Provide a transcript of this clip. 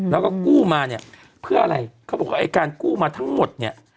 แล้วก็กู้มาเนี่ยเพื่ออะไรเขาบอกว่าไอ้การกู้มาทั้งหมดเนี่ย